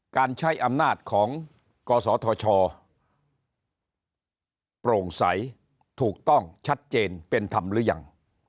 การใช้อำนาจของกศธชโปร่งใสถูกต้องชัดเจนเป็นธรรมหรือยัง